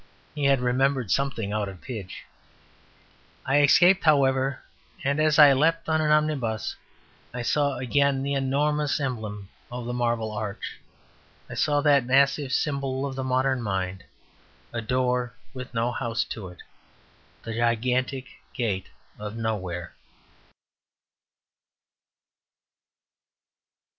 He had remembered something out of Pidge. I escaped, however, and as I leapt on an omnibus I saw again the enormous emblem of the Marble Arch. I saw that massive symbol of the modern mind: a door with no house to it; the gigantic gate of Nowhere.